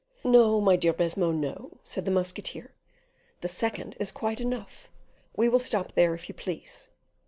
"No, my dear Baisemeaux, no," said the musketeer; "the second is quite enough: we will stop there if you please."